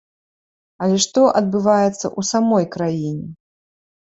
Але што адбываецца ў самой краіне?